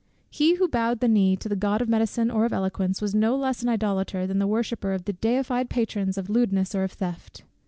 He who bowed the knee to the god of medicine or of eloquence, was no less an idolater than the worshipper of the deified patrons of lewdness or of theft.